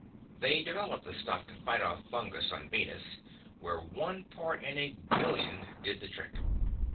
They developed the stuff to fight off fungus on Venus, where one part in a billion did the trick.